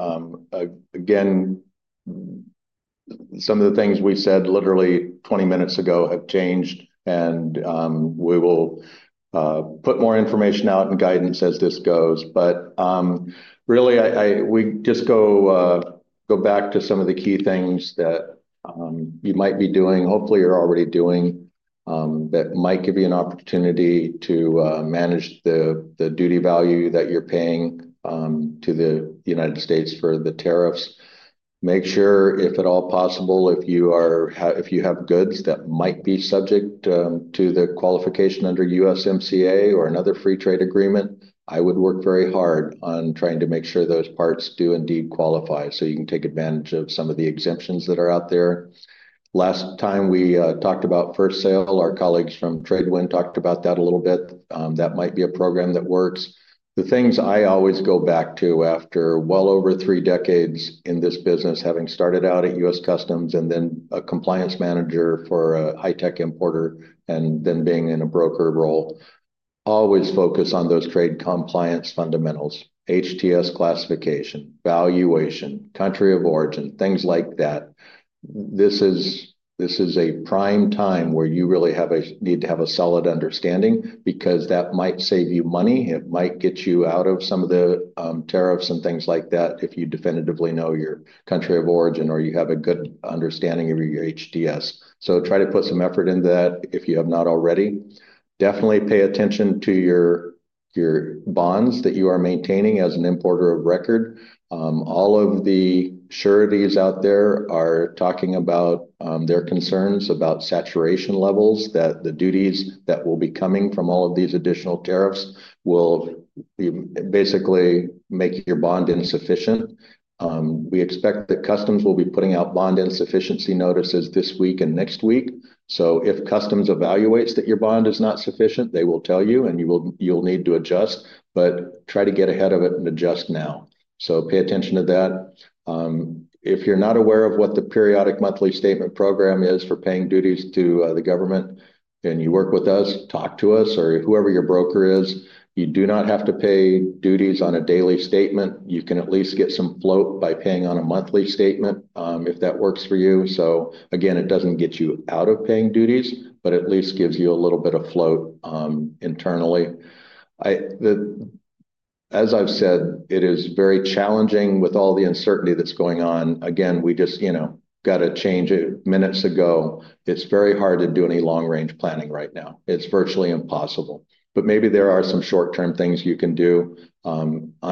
some of the things we said literally 20 minutes ago have changed. We will put more information out and guidance as this goes. Really, we just go back to some of the key things that you might be doing, hopefully you're already doing, that might give you an opportunity to manage the duty value that you're paying to the United States for the tariffs. Make sure, if at all possible, if you have goods that might be subject to the qualification under USMCA or another free trade agreement, I would work very hard on trying to make sure those parts do indeed qualify so you can take advantage of some of the exemptions that are out there. Last time we talked about first sale, our colleagues from Tradewin talked about that a little bit. That might be a program that works. The things I always go back to after well over three decades in this business, having started out at U.S. Customs and then a compliance manager for a high-tech importer and then being in a broker role, always focus on those trade compliance fundamentals, HTS classification, valuation, country of origin, things like that. This is a prime time where you really need to have a solid understanding because that might save you money. It might get you out of some of the tariffs and things like that if you definitively know your country of origin or you have a good understanding of your HTS. Try to put some effort into that if you have not already. Definitely pay attention to your bonds that you are maintaining as an importer of record. All of the sureties out there are talking about their concerns about saturation levels that the duties that will be coming from all of these additional tariffs will basically make your bond insufficient. We expect that customs will be putting out bond insufficiency notices this week and next week. If customs evaluates that your bond is not sufficient, they will tell you, and you'll need to adjust. Try to get ahead of it and adjust now. Pay attention to that. If you're not aware of what the periodic monthly statement program is for paying duties to the government, then you work with us, talk to us, or whoever your broker is. You do not have to pay duties on a daily statement. You can at least get some float by paying on a monthly statement if that works for you. It does not get you out of paying duties, but at least gives you a little bit of float internally. As I have said, it is very challenging with all the uncertainty that is going on. We just got a change minutes ago. It is very hard to do any long-range planning right now. It is virtually impossible. Maybe there are some short-term things you can do. I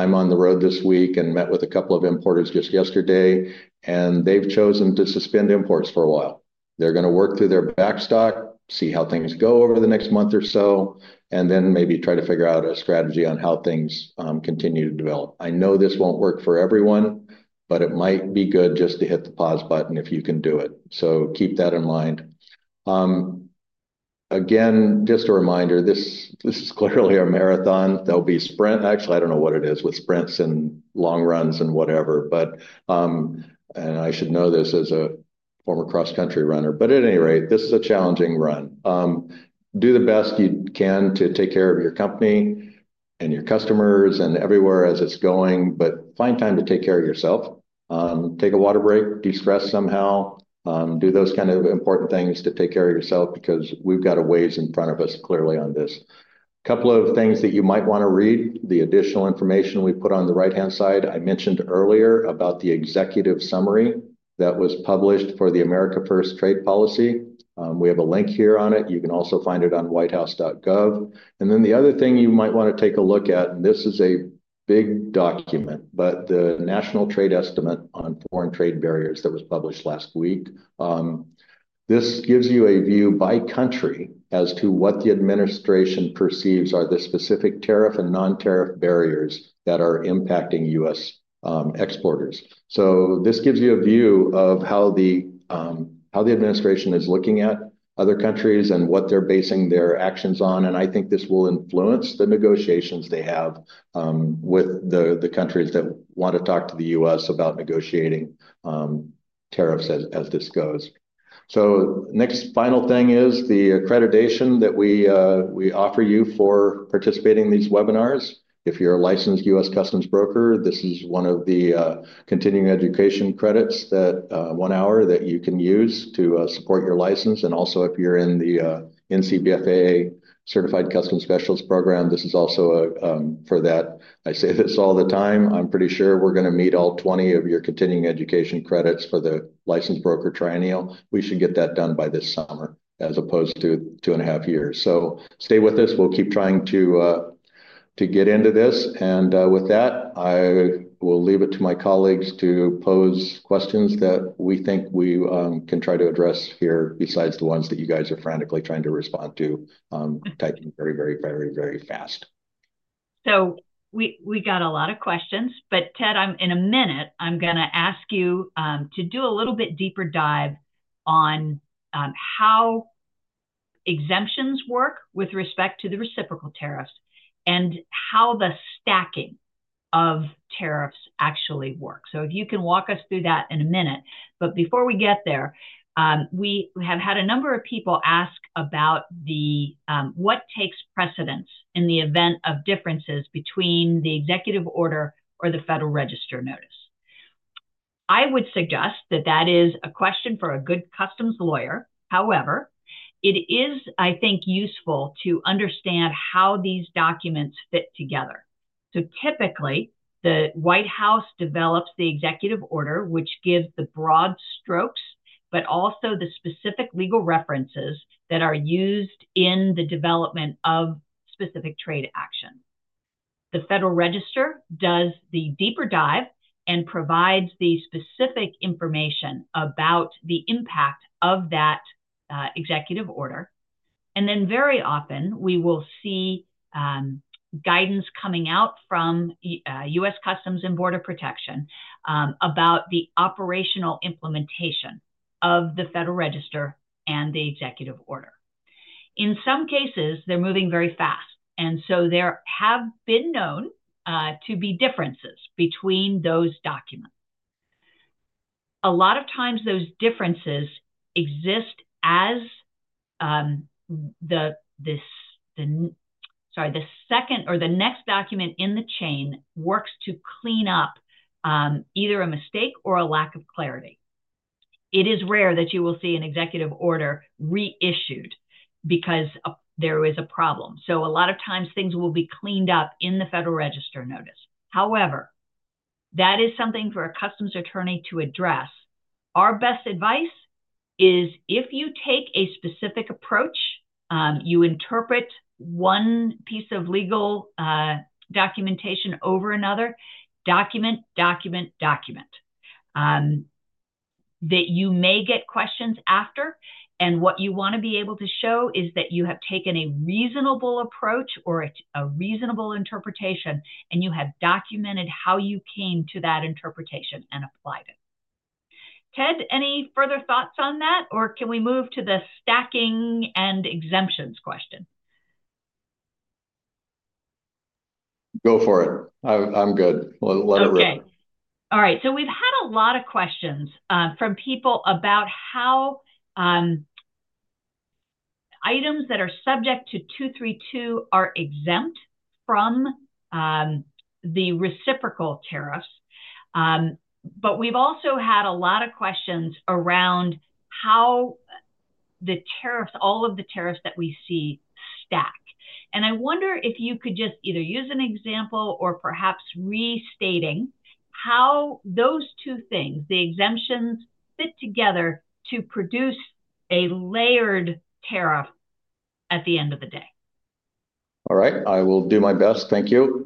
am on the road this week and met with a couple of importers just yesterday, and they have chosen to suspend imports for a while. They are going to work through their backstock, see how things go over the next month or so, and then maybe try to figure out a strategy on how things continue to develop. I know this won't work for everyone, but it might be good just to hit the pause button if you can do it. Keep that in mind. Again, just a reminder, this is clearly a marathon. There'll be sprints. Actually, I don't know what it is with sprints and long runs and whatever. I should know this as a former cross-country runner. At any rate, this is a challenging run. Do the best you can to take care of your company and your customers and everywhere as it's going, but find time to take care of yourself. Take a water break, de-stress somehow. Do those kind of important things to take care of yourself because we've got a ways in front of us clearly on this. A couple of things that you might want to read, the additional information we put on the right-hand side. I mentioned earlier about the executive summary that was published for the America First Trade Policy. We have a link here on it. You can also find it on whitehouse.gov. The other thing you might want to take a look at, and this is a big document, is the National Trade Estimate on Foreign Trade Barriers that was published last week. This gives you a view by country as to what the administration perceives are the specific tariff and non-tariff barriers that are impacting U.S. exporters. This gives you a view of how the administration is looking at other countries and what they're basing their actions on. I think this will influence the negotiations they have with the countries that want to talk to the U.S. about negotiating tariffs as this goes. Next final thing is the accreditation that we offer you for participating in these webinars. If you're a licensed U.S. Customs broker, this is one of the continuing education credits, one hour that you can use to support your license. Also, if you're in the NCBFA Certified Customs Specialist program, this is also for that. I say this all the time. I'm pretty sure we're going to meet all 20 of your continuing education credits for the licensed broker triennial. We should get that done by this summer as opposed to two and a half years. Stay with us. We'll keep trying to get into this. With that, I will leave it to my colleagues to pose questions that we think we can try to address here besides the ones that you guys are frantically trying to respond to, typing very, very, very, very fast. We got a lot of questions. Ted, in a minute, I'm going to ask you to do a little bit deeper dive on how exemptions work with respect to the reciprocal tariffs and how the stacking of tariffs actually works. If you can walk us through that in a minute. Before we get there, we have had a number of people ask about what takes precedence in the event of differences between the executive order or the Federal Register notice. I would suggest that that is a question for a good customs lawyer. However, it is, I think, useful to understand how these documents fit together. Typically, the White House develops the executive order, which gives the broad strokes, but also the specific legal references that are used in the development of specific trade action. The Federal Register does the deeper dive and provides the specific information about the impact of that executive order. Very often, we will see guidance coming out from U.S. Customs and Border Protection about the operational implementation of the Federal Register and the executive order. In some cases, they're moving very fast. There have been known to be differences between those documents. A lot of times, those differences exist as the, sorry, the second or the next document in the chain works to clean up either a mistake or a lack of clarity. It is rare that you will see an executive order reissued because there is a problem. A lot of times, things will be cleaned up in the Federal Register notice. However, that is something for a customs attorney to address. Our best advice is if you take a specific approach, you interpret one piece of legal documentation over another, document, document, document, that you may get questions after. What you want to be able to show is that you have taken a reasonable approach or a reasonable interpretation, and you have documented how you came to that interpretation and applied it. Ted, any further thoughts on that, or can we move to the stacking and exemptions question? Go for it. I'm good. We'll let it rip. Okay. All right. We've had a lot of questions from people about how items that are subject to 232 are exempt from the reciprocal tariffs. We've also had a lot of questions around how all of the tariffs that we see stack. I wonder if you could just either use an example or perhaps restating how those two things, the exemptions, fit together to produce a layered tariff at the end of the day. All right. I will do my best. Thank you.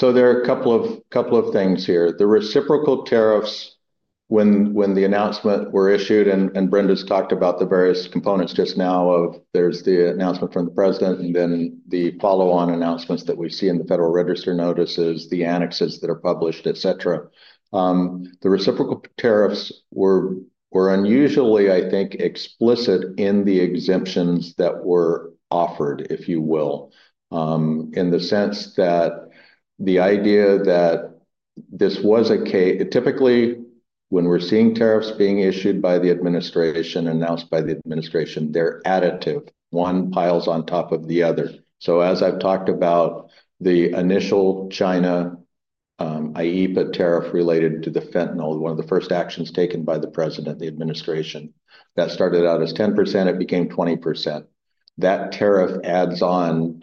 There are a couple of things here. The reciprocal tariffs, when the announcement were issued, and Brenda's talked about the various components just now of there's the announcement from the president, and then the follow-on announcements that we see in the Federal Register notices, the annexes that are published, et cetera. The reciprocal tariffs were unusually, I think, explicit in the exemptions that were offered, if you will, in the sense that the idea that this was a typically when we're seeing tariffs being issued by the administration, announced by the administration, they're additive. One piles on top of the other. As I've talked about the initial China IEEPA tariff related to the fentanyl, one of the first actions taken by the president, the administration, that started out as 10%, it became 20%. That tariff adds on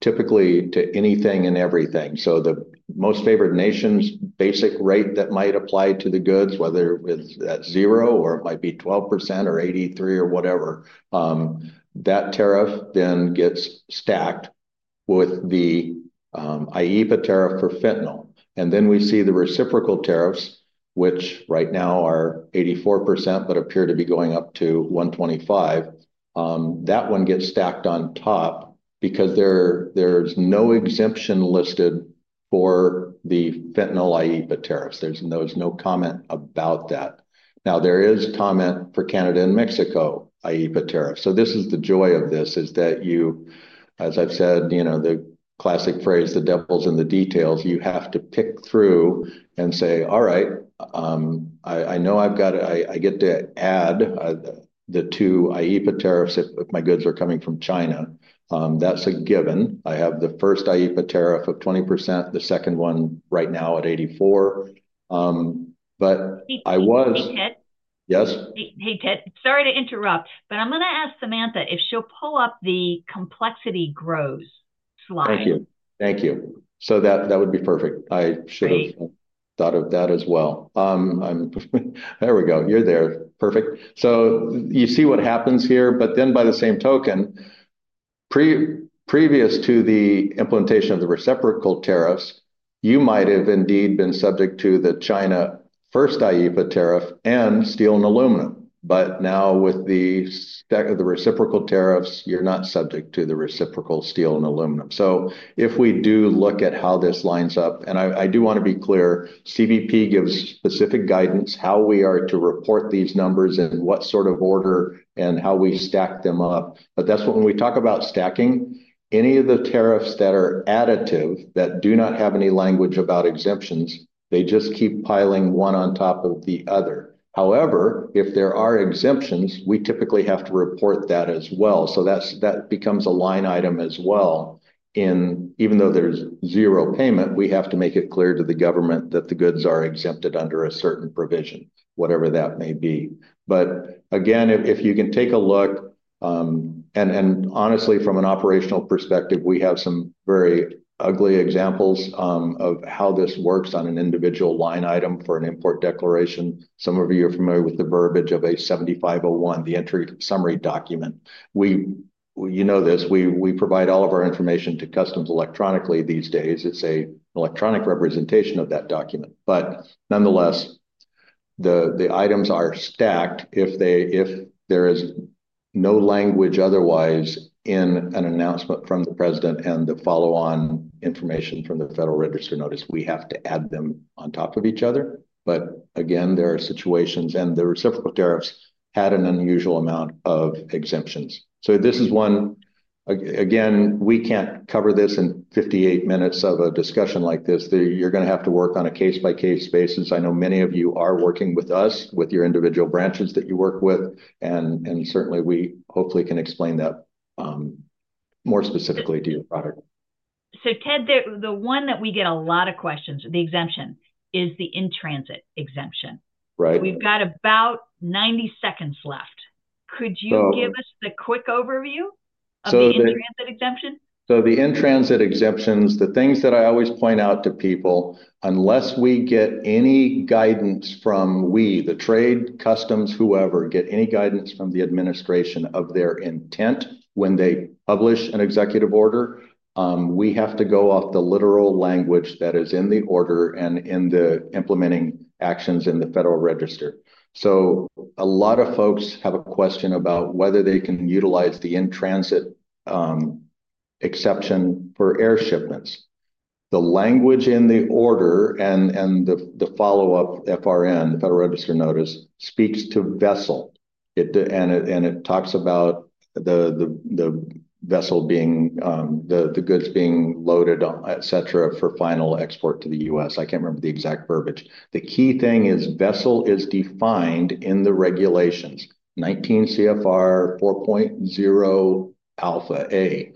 typically to anything and everything. The Most Favored Nation's basic rate that might apply to the goods, whether it's at zero or it might be 12% or 83% or whatever, that tariff then gets stacked with the IEEPA tariff for fentanyl. We see the reciprocal tariffs, which right now are 84%, but appear to be going up to 125%. That one gets stacked on top because there's no exemption listed for the fentanyl IEEPA tariffs. There's no comment about that. There is comment for Canada and Mexico IEEPA tariffs. This is the joy of this, is that you, as I've said, the classic phrase, the devil's in the details, you have to pick through and say, "All right. I know I've got to add the two IEEPA tariffs if my goods are coming from China." That's a given. I have the first IEEPA tariff of 20%, the second one right now at 84%. But I was. Hey, Ted. Yes? Hey, Ted. Sorry to interrupt, but I'm going to ask Samantha if she'll pull up the complexity grows slide. Thank you. Thank you. That would be perfect. I should have thought of that as well. There we go. You're there. Perfect. You see what happens here. By the same token, previous to the implementation of the reciprocal tariffs, you might have indeed been subject to the China first IEEPA tariff and steel and aluminum. Now with the reciprocal tariffs, you're not subject to the reciprocal steel and aluminum. If we do look at how this lines up, and I do want to be clear, CBP gives specific guidance how we are to report these numbers and what sort of order and how we stack them up. That's when we talk about stacking, any of the tariffs that are additive that do not have any language about exemptions, they just keep piling one on top of the other. However, if there are exemptions, we typically have to report that as well. That becomes a line item as well. Even though there is zero payment, we have to make it clear to the government that the goods are exempted under a certain provision, whatever that may be. Again, if you can take a look, and honestly, from an operational perspective, we have some very ugly examples of how this works on an individual line item for an import declaration. Some of you are familiar with the verbiage of a 7501, the entry summary document. You know this. We provide all of our information to customs electronically these days. It is an electronic representation of that document. Nonetheless, the items are stacked. If there is no language otherwise in an announcement from the president and the follow-on information from the Federal Register notice, we have to add them on top of each other. Again, there are situations, and the reciprocal tariffs had an unusual amount of exemptions. This is one. Again, we can't cover this in 58 minutes of a discussion like this. You're going to have to work on a case-by-case basis. I know many of you are working with us, with your individual branches that you work with. Certainly, we hopefully can explain that more specifically to your product. Ted, the one that we get a lot of questions, the exemption, is the in-transit exemption. We've got about 90 seconds left. Could you give us the quick overview of the in-transit exemption? The in-transit exemptions, the things that I always point out to people, unless we get any guidance from we, the trade, customs, whoever, get any guidance from the administration of their intent when they publish an executive order, we have to go off the literal language that is in the order and in the implementing actions in the Federal Register. A lot of folks have a question about whether they can utilize the in-transit exception for air shipments. The language in the order and the follow-up FRN, the Federal Register notice, speaks to vessel. It talks about the vessel being the goods being loaded, et cetera, for final export to the U.S. I can't remember the exact verbiage. The key thing is vessel is defined in the regulations, 19 CFR 4.0(a). It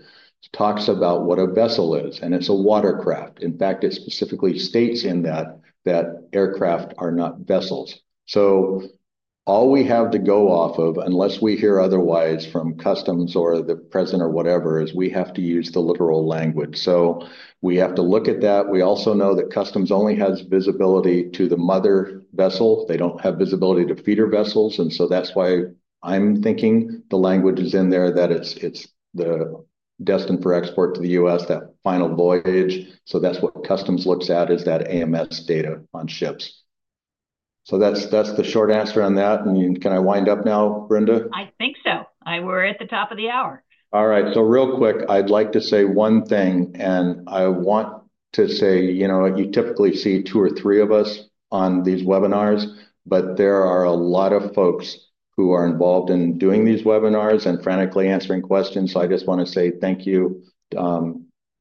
talks about what a vessel is. It is a watercraft. In fact, it specifically states in that that aircraft are not vessels. All we have to go off of, unless we hear otherwise from customs or the president or whatever, is we have to use the literal language. We have to look at that. We also know that customs only has visibility to the mother vessel. They do not have visibility to feeder vessels. That is why I am thinking the language is in there that it is destined for export to the U.S., that final voyage. That is what customs looks at, is that AMS data on ships. That is the short answer on that. Can I wind up now, Brenda? I think so. We're at the top of the hour. All right. Real quick, I'd like to say one thing. I want to say you typically see two or three of us on these webinars. There are a lot of folks who are involved in doing these webinars and frantically answering questions. I just want to say thank you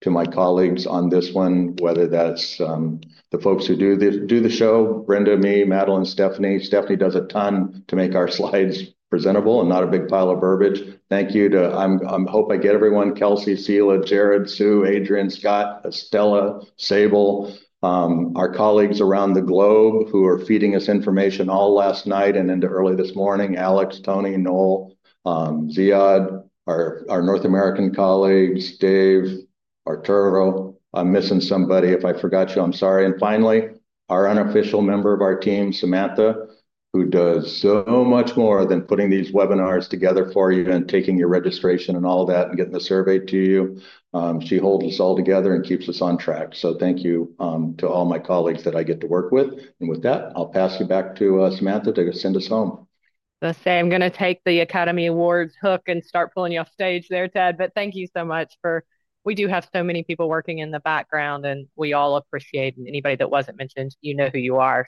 to my colleagues on this one, whether that's the folks who do the show, Brenda, me, Madeleine, Stephanie. Stephanie does a ton to make our slides presentable and not a big pile of verbiage. Thank you. I hope I get everyone, Kelsey, Cela, Jared, Sue, Adrian, Scott, Estella, Sable, our colleagues around the globe who are feeding us information all last night and into early this morning, Alex, Tony, Noel, Ziad, our North American colleagues, Dave, Arturo. I'm missing somebody. If I forgot you, I'm sorry. Finally, our unofficial member of our team, Samantha, who does so much more than putting these webinars together for you and taking your registration and all that and getting the survey to you, she holds us all together and keeps us on track. Thank you to all my colleagues that I get to work with. With that, I'll pass you back to Samantha to send us home. Let's say I'm going to take the Academy Awards hook and start pulling you off stage there, Ted. Thank you so much for we do have so many people working in the background, and we all appreciate anybody that wasn't mentioned. You know who you are.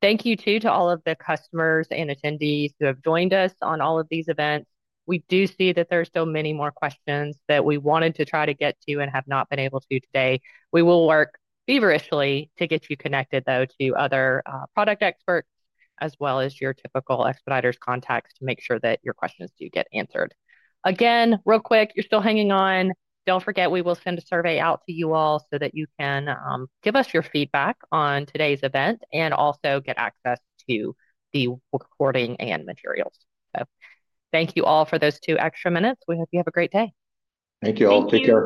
Thank you too to all of the customers and attendees who have joined us on all of these events. We do see that there are so many more questions that we wanted to try to get to and have not been able to today. We will work feverishly to get you connected, though, to other product experts as well as your typical Expeditors contacts to make sure that your questions do get answered. Again, real quick, you're still hanging on. Don't forget, we will send a survey out to you all so that you can give us your feedback on today's event and also get access to the recording and materials. Thank you all for those two extra minutes. We hope you have a great day. Thank you all. Take care.